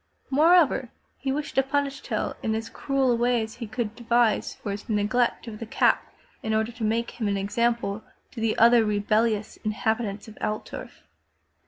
Moreover, he wished to punish Tell in as cruel a way as he could devise for his neglect of the cap in order to make him an example to the other rebellious inhabitants of Altdorf.